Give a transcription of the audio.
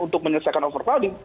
untuk menyelesaikan over crowding